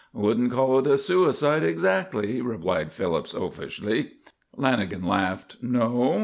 "Wouldn't call it a suicide, exactly," replied Phillips, offishly. Lanagan laughed. "No?"